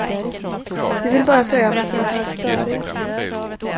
Du vill bara ta över för att vara störig.